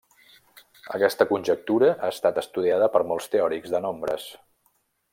Aquesta conjectura ha estat estudiada per molts teòrics de nombres.